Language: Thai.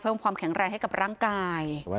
ความแข็งแรงให้กับร่างกาย